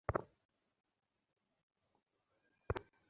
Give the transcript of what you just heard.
এসেগেছে, sir okay sir, - director?